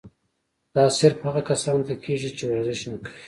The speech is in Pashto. دا صرف هغه کسانو ته کيږي چې ورزش نۀ کوي